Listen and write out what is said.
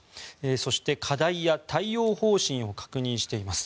そして、課題や対応方針を確認しています。